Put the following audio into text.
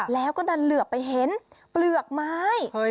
แล้วก็ดันเหลือไปเห็นเปลือกไม้